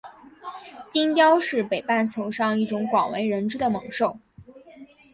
金雕是北半球上一种广为人知的猛禽。